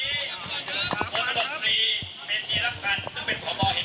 โปรดปรีเพศรีรับฝันซึ่งเป็นประมาณเหตุการณ์ตรงนี้